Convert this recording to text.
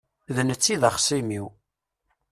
D netta i d axṣim-iw.